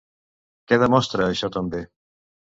Què demostra això també?